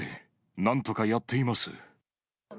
なんとかやっています。